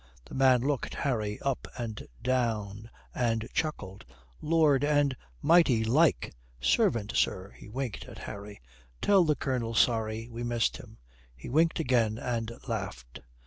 The man looked Harry up and down and chuckled. "Lord, and mighty like. Servant, sir," he winked at Harry. "Tell the Colonel, sorry we missed him," He winked again and laughed.